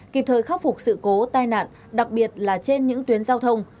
kịp thời khắc phục sự cố tai nạn đặc biệt là trên những tuyến giao thông